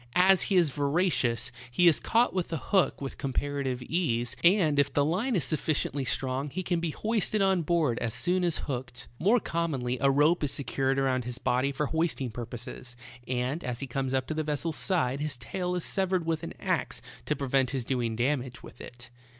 As he is voracious, he is caught with a hook with compar ative ease, and if the line is sufficiently strong he can be hoisted on board as soon as hooked. More commonly a rope is secured around his body for hoisting purposes, and as he comes up to the vessel's side his tail is severed with an ax to pre vent his doing damage with it.